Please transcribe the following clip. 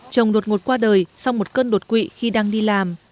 chồng đột ngột qua đời sau một cơn đột quỵ khi đang đi làm